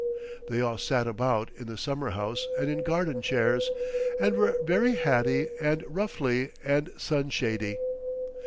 They all sat about in the summer house and in garden chairs, and were very hatty and ruffley and sunshady.